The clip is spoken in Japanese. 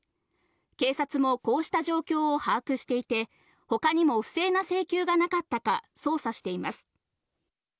警察もこうした状況を把握していて、他にも不正な請求がなかったか捜査しています。